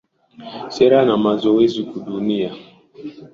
sera na mazoezi kuangazia na kujadili umuhimu wa